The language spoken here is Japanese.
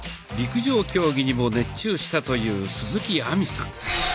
陸上競技にも熱中したという鈴木亜美さん。